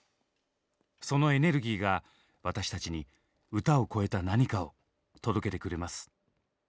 そのエネルギーが私たちに歌を超えた何かを届けてくれます。